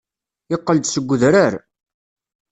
Yeqqel-d seg udrar.